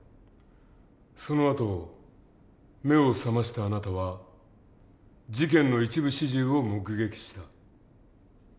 そのあと目を覚ましたあなたは事件の一部始終を目撃した。